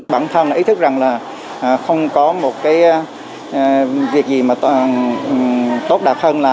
bản thân là ý thức rằng là không có một cái việc gì mà tốt đạt hơn là